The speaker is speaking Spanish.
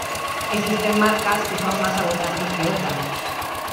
Existen marcas que son más abundantes que otras.